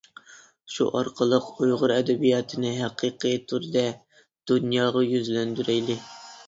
شۇ ئارقىلىق ئۇيغۇر ئەدەبىياتىنى ھەقىقىي تۈردە دۇنياغا يۈزلەندۈرەيلى!